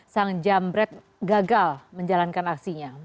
sang jambret gagal menjalankan aksinya